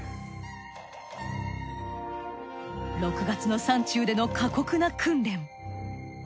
６月の山中での過酷な訓練。